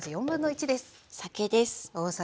酒です。